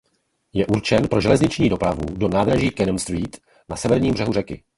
Je určen pro železniční dopravu do nádraží Canon Street na severním břehu řeky.